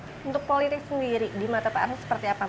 untuk politik sendiri di mata pak arsya seperti apa melihatnya